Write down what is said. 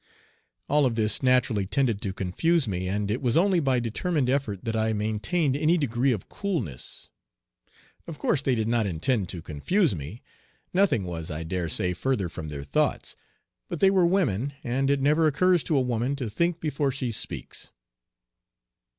All of this naturally tended to confuse me, and it was only by determined effort that I maintained any degree of coolness. Of course they did not intend to confuse me. Nothing was, I dare say, further from their thoughts. But they were women; and it never occurs to a woman to think before she speaks.